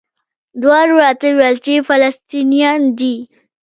دواړو راته وویل چې فلسطینیان دي.